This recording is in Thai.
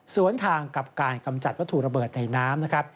สวนทางกับการกำจัดวัตถุระเบิดในน้ำนะครับ